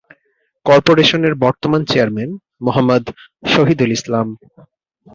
কর্পোরেশনের বর্তমান চেয়ারম্যান মোহাম্মদ শহিদুল ইসলাম।